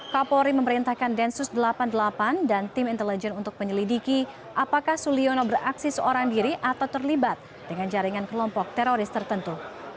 kapolri memerintahkan densus delapan puluh delapan dan tim intelijen untuk menyelidiki apakah suliono beraksi seorang diri atau terlibat dengan jaringan kelompok teroris tertentu